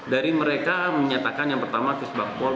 dari mereka menyatakan yang pertama kes bank pol